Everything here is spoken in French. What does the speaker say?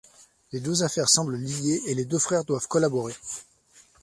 Les deux affaires semblent liées et les deux frères doivent collaborer.